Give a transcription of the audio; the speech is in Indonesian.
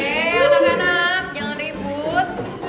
hei anak anak jangan ribut